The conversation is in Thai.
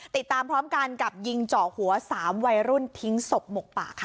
ติดตามพร้อมกันกับยิงเจาะหัว๓วัยรุ่นทิ้งศพหมกป่าค่ะ